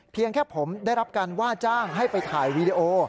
เพียงแค่ผมได้รับการว่าจ้างให้ไปถ่ายวีดีโอ